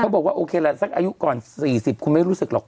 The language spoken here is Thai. บอกว่าโอเคแหละสักอายุก่อน๔๐คุณไม่รู้สึกหรอก